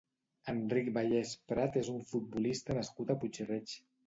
Enric Vallès Prat és un futbolista nascut a Puig-reig.